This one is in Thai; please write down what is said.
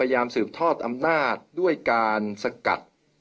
เพื่อยุดยั้งการสืบทอดอำนาจของขอสอชอต่อและยังพร้อมจะเป็นนายกรัฐมนตรี